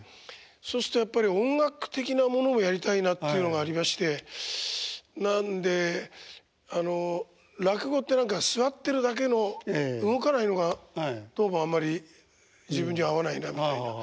そうするとやっぱり音楽的なものをやりたいなっていうのがありましてなんで落語って何か座ってるだけの動かないのがどうもあんまり自分には合わないなみたいな。